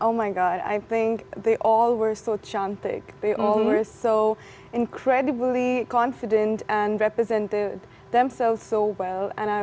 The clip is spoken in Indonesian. oh my god saya pikir mereka semua sangat cantik mereka semua sangat yakin dan memperkenalkan diri mereka dengan baik